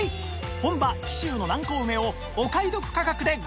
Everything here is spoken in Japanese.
本場紀州の南高梅をお買い得価格でご紹介